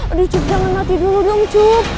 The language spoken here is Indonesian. aduh cukup jangan mati dulu dong cukup